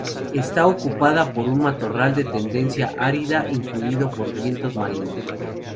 Está ocupado por un matorral de tendencia árida influido por las vientos marinos.